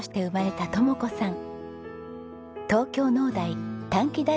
東京農大